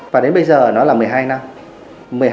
và đến bây giờ nó là một mươi hai năm